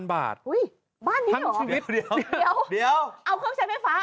อุ๊ยบ้านนี้เหรอเดี๋ยวเอาเครื่องใช้ไฟฟ้าอะไรเนี่ยเอายาดม